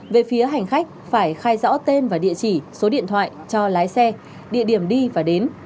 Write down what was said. về phía hành khách phải khai rõ tên và địa chỉ số điện thoại cho lái xe địa điểm đi và đến